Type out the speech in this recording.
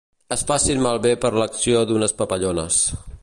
Es facin malbé per l'acció d'unes papallones.